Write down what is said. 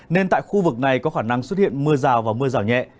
nên tại khu vực này có khả năng xuất hiện mưa rào và mưa rào nhẹ